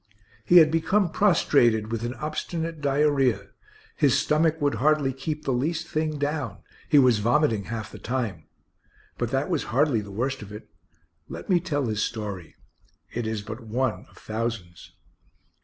He had become prostrated with an obstinate diarrhoea: his stomach would hardly keep the least thing down; he was vomiting half the time. But that was hardly the worst of it. Let me tell his story it is but one of thousands.